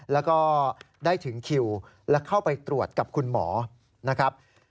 แล้วก็ได้ถึงคิวและเข้าไปตรวจกับคุณหมอนะครับ